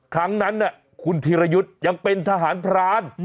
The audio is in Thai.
ครั้งนั้นคุณธีรยุทธ์ยังเป็นทหารพราน